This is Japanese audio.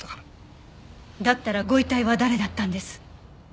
だったらご遺体は誰だったんです？